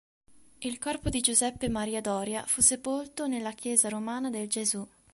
Il corpo di Giuseppe Maria Doria fu sepolto nella chiesa romana del Gesù.